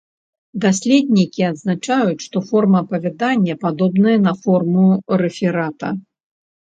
Даследнікі адзначаюць, што форма апавядання падобная на форму рэферата.